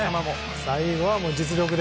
最後は実力で。